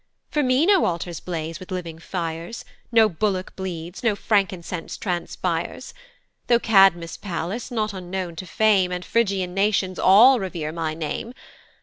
"For me no altars blaze with living fires, "No bullock bleeds, no frankincense transpires, "Tho' Cadmus' palace, not unknown to fame, "And Phrygian nations all revere my name.